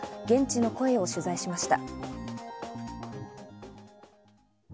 現地の声を取材しました。